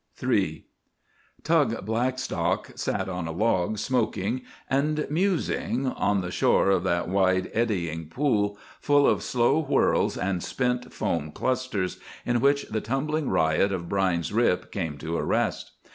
III Tug Blackstock sat on a log, smoking and musing, on the shore of that wide, eddying pool, full of slow swirls and spent foam clusters, in which the tumbling riot of Brine's Rip came to a rest.